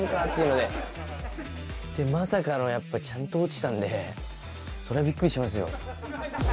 で、まさかのやっぱ、ちゃんと落ちたんで、それはびっくりしますよ。